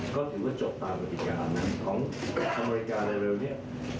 ก็ถือว่าจบตามกฎิกาของอเมริกาเร็วนี้